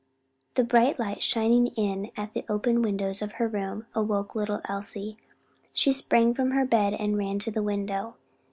The bright light shining in at the open windows of her room, awoke the little Elsie. She sprang from her bed, and ran to the window.